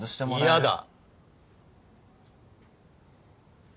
嫌だ。